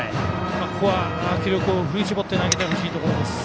ここは気力を振り絞って投げてほしいところです。